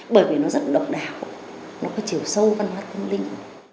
bởi vì nó rất độc đạo nó có chiều sâu văn hóa tinh linh